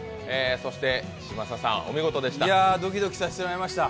そして、嶋佐さん、お見事でした。